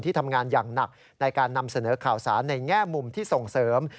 ทำงานอย่างหนักในการนำเสนอข่าวสารในแง่มุมที่ส่งเสริม